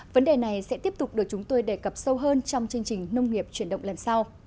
vấn đề này sẽ tiếp tục được chúng tôi đề cập sâu hơn trong chương trình nông nghiệp chuyển động lần sau